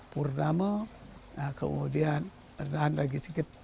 purnama kemudian dan lagi sedikit